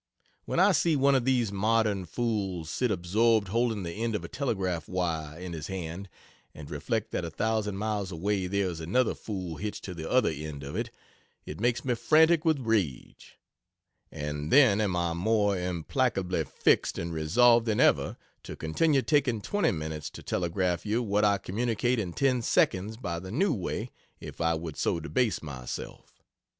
When I see one of these modern fools sit absorbed, holding the end of a telegraph wire in his hand, and reflect that a thousand miles away there is another fool hitched to the other end of it, it makes me frantic with rage; and then am I more implacably fixed and resolved than ever, to continue taking twenty minutes to telegraph you what I communicate in ten sends by the new way if I would so debase myself.